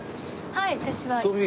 はい。